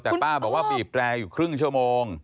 แต่ป้าบอกว่าบีบแตรอยู่ครึ่งชั่วโมง